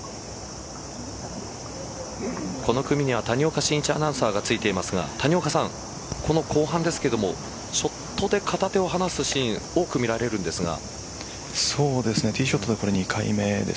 この組には谷岡慎一アナウンサーがついていますが谷岡さん、この後半ですがショットで片手を離すシーン多く見られるんですが。